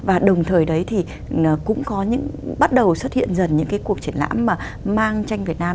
và đồng thời đấy thì cũng có những bắt đầu xuất hiện dần những cái cuộc triển lãm